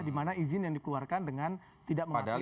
dimana izin yang dikeluarkan dengan tidak mematikan peran lain